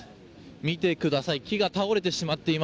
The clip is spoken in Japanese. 見てください